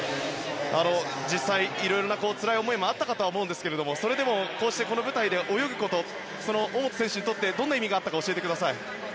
実際、色々なつらい思いもあったかと思うんですがそれでもこうしてこの舞台で泳ぐことその大本選手にとってどんな意味があったか教えてください。